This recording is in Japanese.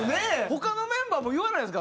他のメンバーも言わないんですか？